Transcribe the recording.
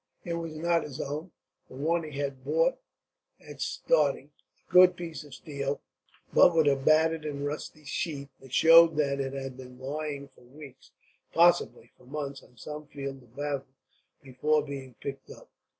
It was not his own, but one he had bought at starting a good piece of steel, but with a battered and rusty sheath that showed that it had been lying for weeks, possibly for months, on some field of battle before being picked up.